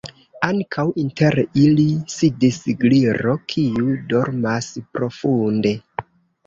Ankaŭ inter ili sidis Gliro, kiu dormas profunde.